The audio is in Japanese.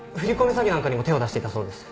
詐欺なんかにも手を出していたそうです。